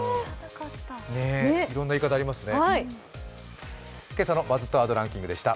いろんな言い方ありますね。